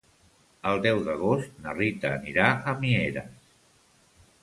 El deu d'agost na Rita anirà a Mieres.